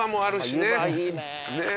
ねえ。